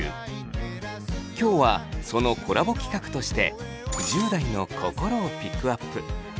今日はそのコラボ企画として１０代の「こころ」をピックアップ。